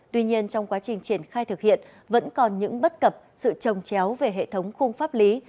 tuy nhiên trong quá trình triển khai thực hiện vẫn còn những bất cập sự trồng chéo về hệ thống khung pháp lý